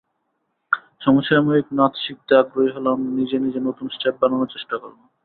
সমসাময়িক নাচ শিখতে আগ্রহী হলাম, নিজে নিজে নতুন স্টেপ বানানোর চেষ্টা করলাম।